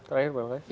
terakhir pak pak